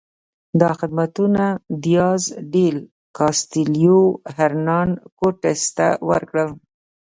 دا خدمتونه دیاز ډیل کاسټیلو هرنان کورټس ته وکړل.